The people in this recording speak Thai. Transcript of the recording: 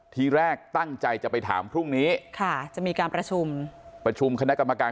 ทีแรกตั้งใจจะไปถามพรุ่งนี้ค่ะจะมีการประชุมประชุมคณะกรรมการ